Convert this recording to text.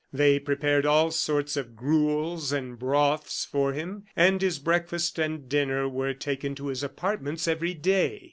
They prepared all sorts of gruels and broths for him, and his breakfast and dinner were taken to his apartments every day.